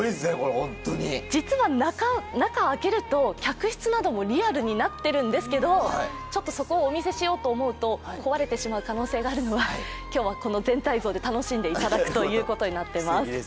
実は中を開けると客室などもリアルになっているんですけどそこをお見せしようと思うと壊れてしまう可能性があるので今日はこの全体像で楽しんでいただくということになっています。